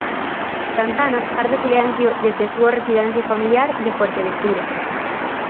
Santana garda silencio desde a súa residencia familiar de Fuerteventura.